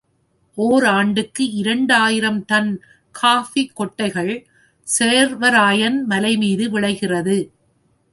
ஓராண்டுக்கு இரண்டு ஆயிரம் டன் காஃபிக் கொட்டை சேர்வராயன் மலைமீது விளைகிறது.